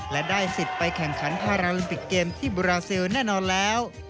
และได้สิทธิ์ไปแข่งขันพาราลิมปิกเกมที่บราซิลแน่นอนแล้ว